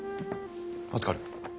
預かる。